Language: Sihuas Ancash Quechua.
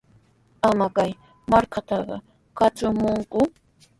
Ama kay markatrawqa katramayku.